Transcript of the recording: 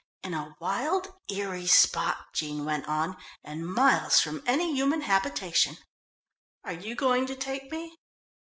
"In a wild, eerie spot," Jean went on, "and miles from any human habitation." "Are you going to take me?"